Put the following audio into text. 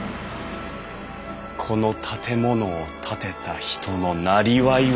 この建物を建てた人のなりわいは。